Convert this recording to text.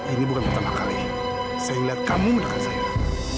ini bukan pertama kali saya melihat kamu mendekat zaira